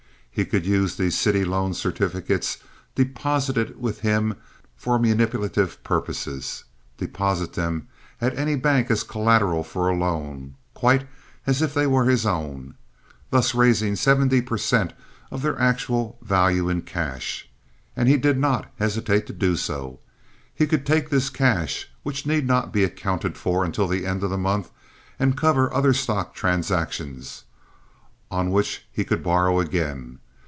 He could use these city loan certificates deposited with him for manipulative purposes, deposit them at any bank as collateral for a loan, quite as if they were his own, thus raising seventy per cent. of their actual value in cash, and he did not hesitate to do so. He could take this cash, which need not be accounted for until the end of the month, and cover other stock transactions, on which he could borrow again.